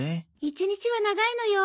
一日は長いのよ。